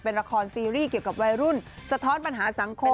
เป็นละครซีรีส์เกี่ยวกับวัยรุ่นสะท้อนปัญหาสังคม